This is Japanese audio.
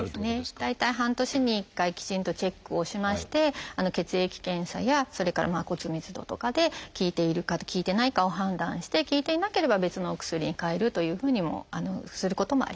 大体半年に１回きちんとチェックをしまして血液検査やそれから骨密度とかで効いているか効いてないかを判断して効いていなければ別のお薬にかえるというふうにもすることもあります。